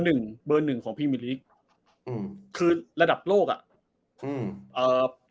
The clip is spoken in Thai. หนึ่งเบอร์หนึ่งของพรีมิลิกอืมคือระดับโลกอ่ะอืมเอ่อ